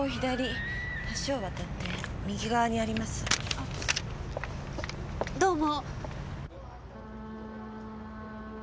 あっどうも。